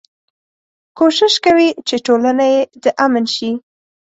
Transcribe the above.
کوشش کوي چې ټولنه يې د امن شي.